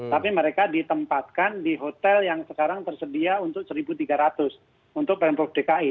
tapi mereka ditempatkan di hotel yang sekarang tersedia untuk satu tiga ratus untuk pemprov dki